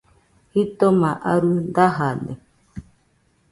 Jitoma arɨ dajade